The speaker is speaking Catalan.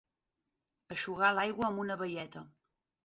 Eixugar l'aigua amb una baieta.